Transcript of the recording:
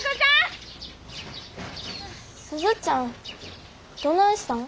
鈴ちゃんどないしたん？